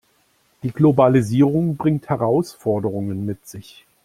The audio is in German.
Die Globalisierung bringt Herausforderungen mit sich.